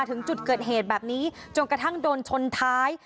ถึงจุดเกิดเหตุแบบนี้จนกระทั่งโดนชนท้าย